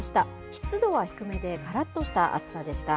湿度は低めで、からっとした暑さでした。